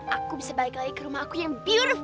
aku bisa balik lagi ke rumah aku yang beareve